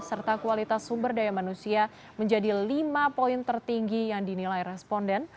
serta kualitas sumber daya manusia menjadi lima poin tertinggi yang dinilai responden